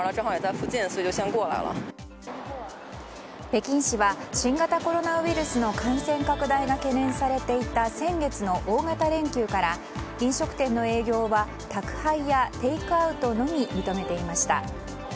北京市は新型コロナウイルスの感染拡大が懸念されていた先月の大型連休から飲食店の営業は宅配やテイクアウトのみ認めていました。